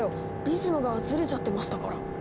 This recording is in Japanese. リズムがずれちゃってましたから。